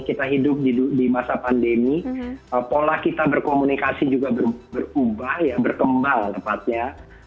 kita hidup di masa pandemi pola kita berkomunikasi juga berubah ya berkembang tepatnya